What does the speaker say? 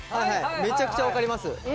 めちゃくちゃ分かります。